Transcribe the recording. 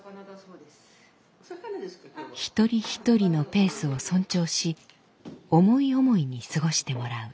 一人ひとりのペースを尊重し思い思いに過ごしてもらう。